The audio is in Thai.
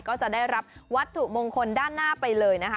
ก็จะได้รับวัตถุมงคลด้านหน้าไปเลยนะคะ